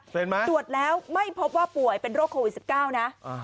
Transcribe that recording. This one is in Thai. ตรวจแล้วไม่พบว่าป่วยเป็นโรคโควิด๑๙นะ